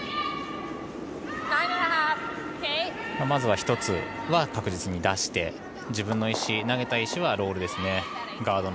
まずは１つは確実に出して自分の投げた石はロールですね。